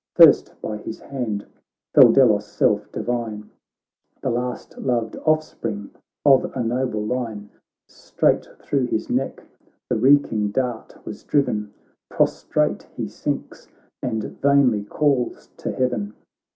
First by his hand fell Delos' self, divine. The last loved offspring of a noble line ; Straight thro' his neck the reeking dart was driven, Prostrate he sinks, and vainly calls to heaven.